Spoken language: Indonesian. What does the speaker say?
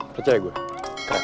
percaya gue keren